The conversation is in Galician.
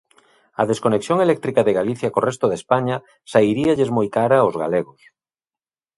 A desconexión eléctrica de Galicia co resto de España sairíalles moi cara aos galegos.